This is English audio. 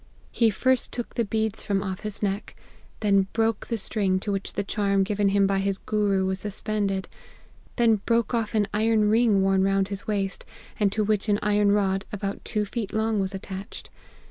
He first took the beads from off his neck ; then broke the string to which the charm given him by his gooroo was suspended ; then broke off an iron ring worn round his waist, and to which an iron rod, about two feet long, was attached.